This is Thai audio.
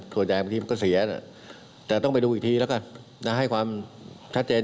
ตัวแยงเที่ยวก็เสียแต่ต้องไปดูอีกทีแล้วก็มีให้ความชัดเจน